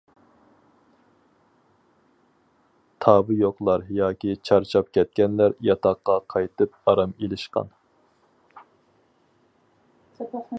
تاۋى يوقلار ياكى چارچاپ كەتكەنلەر ياتاققا قايتىپ ئارام ئېلىشقان.